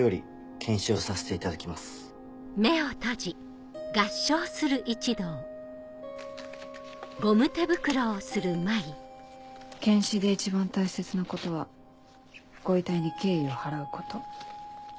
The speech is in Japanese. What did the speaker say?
検視で一番大切なことはご遺体に敬意を払うこと。